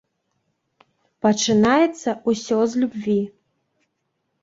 Пачынаецца ўсё з любві.